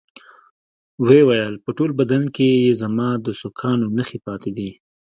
ويې ويل په ټول بدن کښې يې زما د سوکانو نخښې پاتې دي.